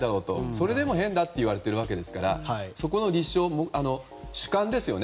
それでも変だといわれているわけだということでそこの立証、主観ですよね。